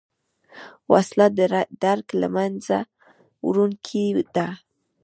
وسله د درک له منځه وړونکې ده